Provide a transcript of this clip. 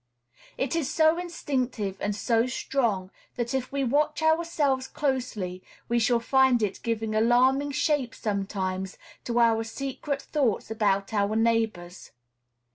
It is so instinctive and so strong that, if we watch ourselves closely, we shall find it giving alarming shape sometimes to our secret thoughts about our neighbors.